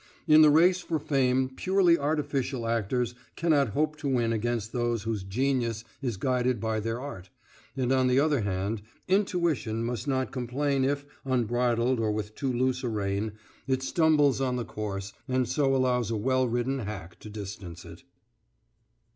In the race for fame purely artificial actors cannot hope to win against those whose genius is guided by their art; and, on the other hand, Intuition must not complain if, unbridled or with too loose a rein, it stumbles on the course, and so allows a well ridden hack to distance it.